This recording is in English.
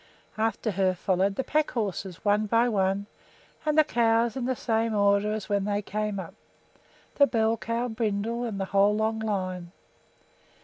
After her followed the pack horses, one by one, and the cows in the same order as when they came up, the bell cow, Brindle, and the whole long line.